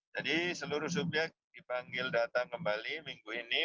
jadi seluruh subyek dipanggil datang kembali minggu ini